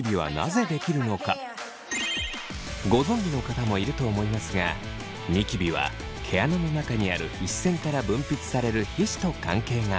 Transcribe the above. ご存じの方もいると思いますがニキビは毛穴の中にある皮脂腺から分泌される皮脂と関係があります。